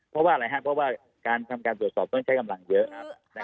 เพราะว่าอะไรครับเพราะว่าการทำการตรวจสอบต้องใช้กำลังเยอะ